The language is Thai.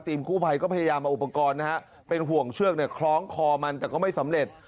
กู้ภัยก็พยายามเอาอุปกรณ์นะฮะเป็นห่วงเชือกเนี่ยคล้องคอมันแต่ก็ไม่สำเร็จ